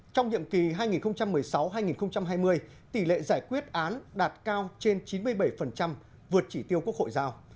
trong nhiệm kỳ hai nghìn một mươi sáu hai nghìn hai mươi tỷ lệ giải quyết án đạt cao trên chín mươi bảy vượt chỉ tiêu quốc hội giao